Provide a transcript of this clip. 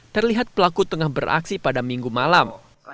terlihat pelaku tengah beraksi pada minggu malam